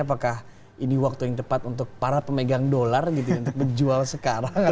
apakah ini waktu yang tepat untuk para pemegang dolar gitu ya untuk berjual sekarang